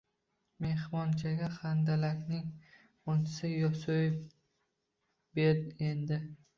Mehmonchaga handalakning unisiniyam so‘yib ber endi